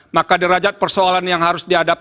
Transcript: maka derajat persoalan yang harus dikaitkan adalah